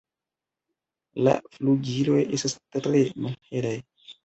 La flugiloj estas tre malhelaj.